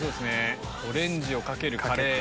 オレンジをかけるカレー。